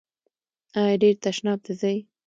ایا ډیر تشناب ته ځئ؟